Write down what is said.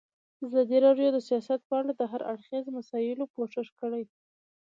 ازادي راډیو د سیاست په اړه د هر اړخیزو مسایلو پوښښ کړی.